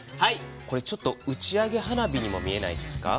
これ打ち上げ花火にも見えないですか？